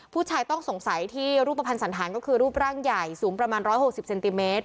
ผู้ชายต้องสงสัยที่รูปภัณฑ์สันธารก็คือรูปร่างใหญ่สูงประมาณ๑๖๐เซนติเมตร